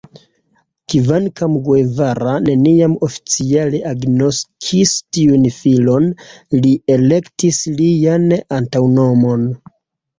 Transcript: Kvankam Guevara neniam oficiale agnoskis tiun filon, li elektis lian antaŭnomon.